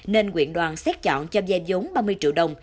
nên quyện đoàn xét chọn cho giai dốn ba mươi triệu đồng